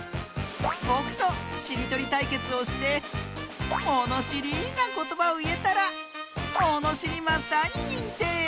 ぼくとしりとりたいけつをしてものしりなことばをいえたらものしりマスターににんてい！